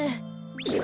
よし！